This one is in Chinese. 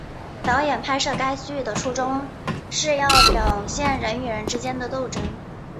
导演拍摄该剧的初衷是要表现人与人之间的斗争。